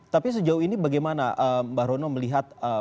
tapi sejauh ini bagaimana mbak rono melihat